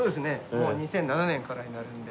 もう２００７年からになるので。